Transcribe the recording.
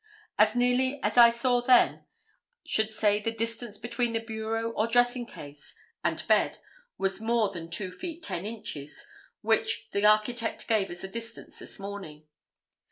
As nearly as I saw then, should say the distance between the bureau or dressing case and bed was more than two feet ten inches which the architect gave as the distance this morning.